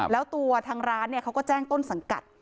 แล้วตัวทางร้านเขาก็แจ้งต้นสังกัด